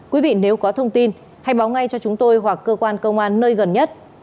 quý vị nếu có thông tin hãy báo ngay cho chúng tôi hoặc cơ quan công an nơi gần nhất